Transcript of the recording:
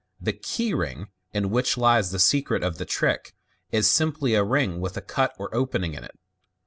The "key" ring (see Fig 235)> >n which lies the secret of the trick, is simply a ring with a cut or opening, a, in it.